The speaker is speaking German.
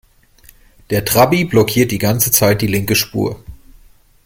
Der Trabi blockiert die ganze Zeit die linke Spur.